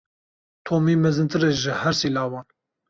Tom ê mezintir e ji her sê lawan.